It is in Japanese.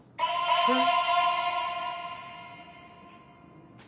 えっ。